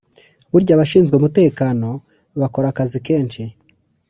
burya abashinzwe umutekano bakora akazi kenshi